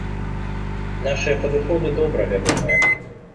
Нашыя падыходы добра вядомыя.